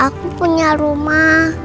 aku punya rumah